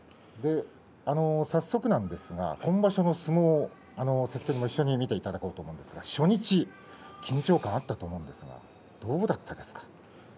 早速ですが、今場所の相撲関取も一緒に見ていただこうと思いますが初日、緊張感があったと思いますが、どうだったですか。